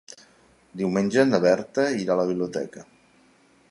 Diumenge na Berta irà a la biblioteca.